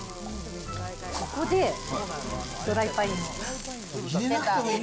ここでドライパインを。